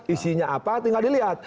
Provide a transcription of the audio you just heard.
isinya apa tinggal dilihat